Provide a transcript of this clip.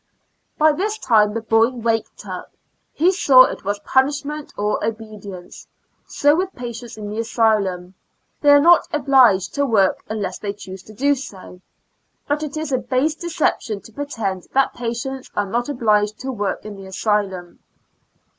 By this time the boy waked up; he saw it was punishment or obedience; so with patients in the asylum, they are not oblig ed to Yfork unless they choose to do so. But it is a base deception to pretend that patients are not obliged to work in the asylum.